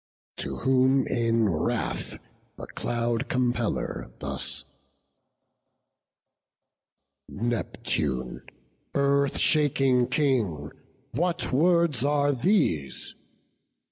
To whom in wrath the Cloud compeller thus: "Neptune, Earth shaking King, what words are these?